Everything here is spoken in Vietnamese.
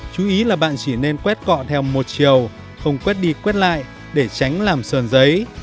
chú ý là bạn chỉ nên quét cọ theo một chiều không quét đi quét lại để tránh làm sờn giấy